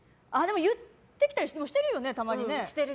言ってきたりもしてるよねたまにね。